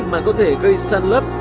mà có thể gây săn lấp